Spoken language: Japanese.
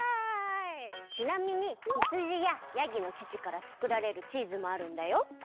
ちなみにひつじややぎのちちからつくられるチーズもあるんだよ。